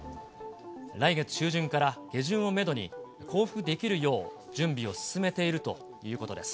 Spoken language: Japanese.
来月中旬から下旬をメドに交付できるよう準備を進めているということです。